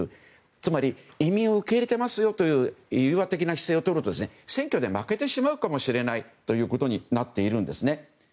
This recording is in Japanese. つまり、移民を受け入れていますという融和的な姿勢をとると選挙で負けてしまうかもしれないということになっているんです。